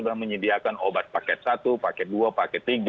sudah menyediakan obat paket satu paket dua paket tiga